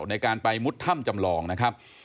ในการไปมุดถ้ำจำลองนะครับ